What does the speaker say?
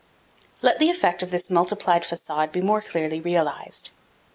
Let the effect of this multiplied facade be more clearly realized.